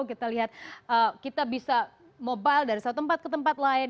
kita lihat kita bisa mobile dari satu tempat ke tempat lain